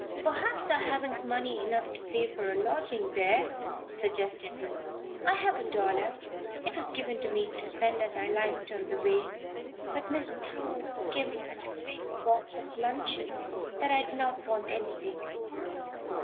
"Perhaps I haven't money enough to pay for a lodging there?" suggested Ruth. "I have a dollar. It was given me to spend as I liked on the way. But Miss True gave me such a big box of luncheon that I did not want anything."